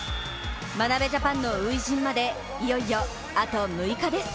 眞鍋ジャパンの初陣までいよいよ、あと６日です。